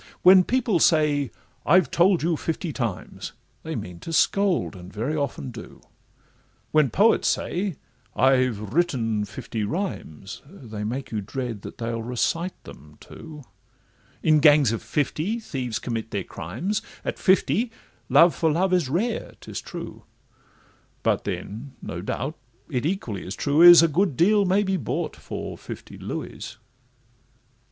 When people say, 'I've told you fifty times,' They mean to scold, and very often do; When poets say, 'I've written fifty rhymes,' They make you dread that they'll recite them too; In gangs of fifty, thieves commit their crimes; At fifty love for love is rare, 'tis true, But then, no doubt, it equally as true is, A good deal may be bought for fifty Louis.